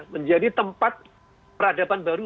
menjadi tempat peradaban baru